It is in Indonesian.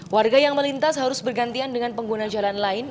warga yang melintas harus bergantian dengan pengguna jalan lain